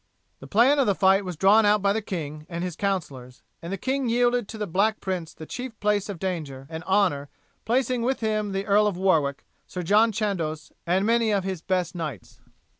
The plan of the fight was drawn out by the king and his councillors, and the king yielded to the Black Prince the chief place of danger and honour placing with him the Earl of Warwick, Sir John Chandos, and many of his best knights.